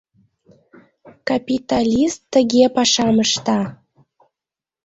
Капиталист тыге пашам ышта.